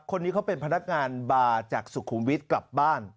คนนี้เขาเป็นพนักงานบาร์จากสุขุมวิทย์กลับบ้าน